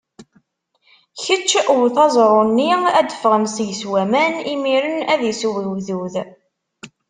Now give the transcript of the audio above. Kečč, wet aẓru-nni, ad d-ffɣen seg-s waman, imiren ad isew ugdud.